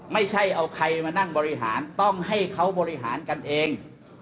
ไม่ใช่เอาใครมานั่งบริหารต้องให้เขาบริหารกันเอง